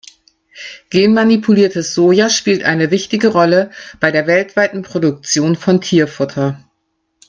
Genmanipuliertes Soja spielt eine wichtige Rolle bei der weltweiten Produktion von Tierfutter.